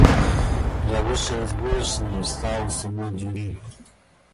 Я вышел из булочной и встал у самой двери.